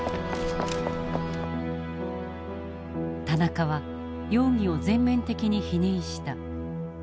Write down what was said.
田中は容疑を全面的に否認した。